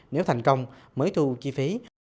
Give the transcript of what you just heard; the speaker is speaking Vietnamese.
nếu thành công mới thu chi phí